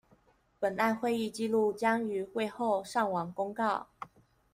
本案會議紀錄將於會後上網公告